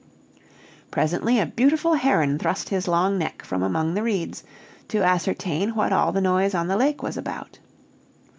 Presently a beautiful heron thrust his long neck from among the reeds, to ascertain what all the noise on the lake was about.